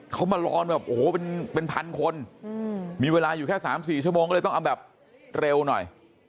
เขามารอนแบบโอ้โหเป็นพันคนมีเวลาอยู่แค่๓๔ชั่วโมงก็เลยต้องเอาแบบเร็วหน่อย